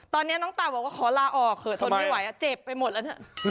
ตอนนี้น้องเต่าบอกว่าขอลาออกเถอะทนไม่ไหวเจ็บไปหมดแล้วเถอะ